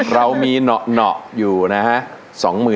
เรามีเหนาะอยู่นะฮะ